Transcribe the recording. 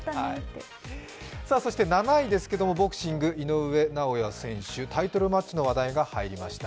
７位ですけど、ボクシング、井上尚弥選手、タイトルマッチの話題が入りました。